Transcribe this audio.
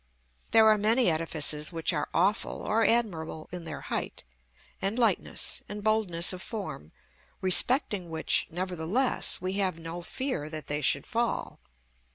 There are many edifices which are awful or admirable in their height, and lightness, and boldness of form, respecting which, nevertheless, we have no fear that they should fall.